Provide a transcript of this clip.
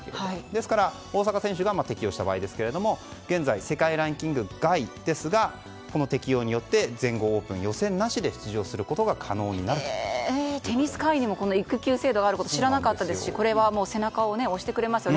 ですから、大坂選手が適用した場合ですけども現在、世界ランキング外ですがこの適用によって全豪オープン予選なしで出場することがテニス界にも育休制度があることは知らなかったですしこれは背中を押してくれますよね